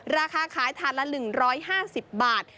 ราคาขายถาดละหนึ่งร้อยห้าสิบบาท